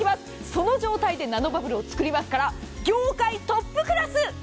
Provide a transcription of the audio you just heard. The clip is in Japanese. その状態でナノバブルを作りますから業界トップクラス。